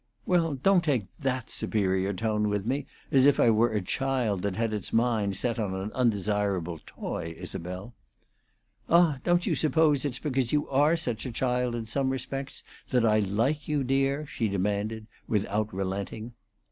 "Well, don't take that superior tone with me, as if I were a child that had its mind set on an undesirable toy, Isabel." "Ah, don't you suppose it's because you are such a child in some respects that I like you, dear?" she demanded, without relenting.